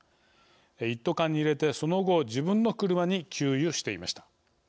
一斗缶に入れて、その後自分の車に給油していました。